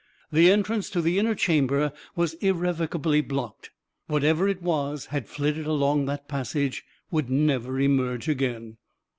The en trance to the inner chamber was irrevocably blocked. Whatever it was had flitted along that passage, would never emerge again.